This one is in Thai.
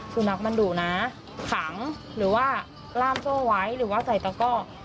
สุนัขมันดุนะขังหรือว่าล่ามโซ่ไว้หรือว่าใส่ตะก้อ